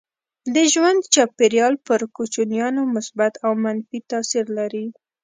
د ژوند چاپيریال پر کوچنیانو مثبت او منفي تاثير لري.